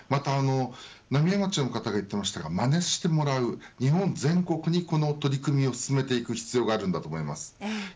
浪江町の方が言ってましたがまねしてもらう日本全国にこの取り組みを進めていく必要があると思います。